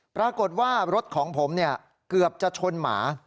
ปรากฏว่ารถของผมเกือบจะชนหมา